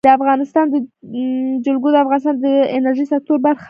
د افغانستان جلکو د افغانستان د انرژۍ سکتور برخه ده.